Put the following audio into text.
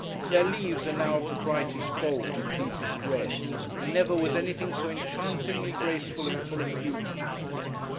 Their leaves are now of the brightest gold and deepest red; and never was anything so enchantingly graceful and full of beauty.